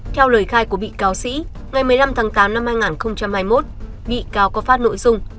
theo lời khai của bị cáo sĩ ngày một mươi năm tháng tám năm hai nghìn hai mươi một bị cáo có phát nội dung